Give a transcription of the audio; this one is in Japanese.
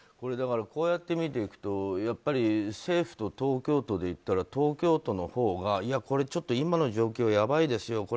こうやって見ていくと政府と東京都でいったら東京都のほうがいや、これちょっと今の状況やばいですよ